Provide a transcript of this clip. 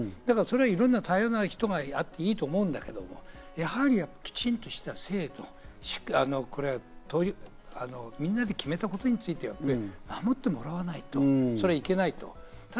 いろんな人がいていいと思うんだけど、やはり、きちんとした制度、みんなで決めたことについては守ってもらわないと、それはいけないと。